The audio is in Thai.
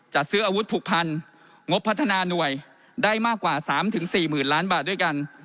จัดซื้ออาวุธผูกพันงบพัฒนาหน่วยได้มากกว่า๓๔๐๐๐ล้านบาทด้วยกัน